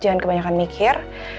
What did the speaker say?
jangan kebanyakan mikir